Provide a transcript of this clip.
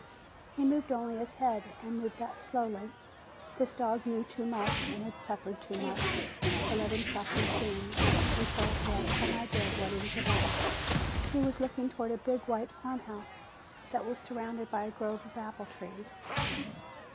He moved only his head and moved that slowly. This dog knew too much, and had suffered too much, to let himself be seen until he had some idea of what he was about. He was looking toward a big white farmhouse that was surrounded by a grove of apple trees.